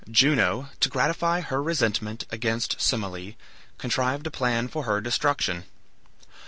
Juno, to gratify her resentment against Semele, contrived a plan for her destruction.